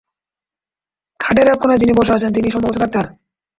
খাটের এক কোণায় যিনি বসে আছেন, তিনি সম্ভবত ডাক্তার।